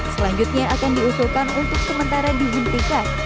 selanjutnya akan diusulkan untuk sementara dihentikan